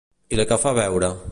I la que fa beure?